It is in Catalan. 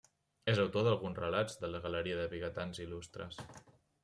És autor d’alguns relats de la Galeria de Vigatans Il·lustres.